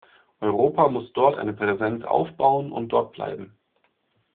Europa muss dort eine Präsenz aufbauen und dort bleiben.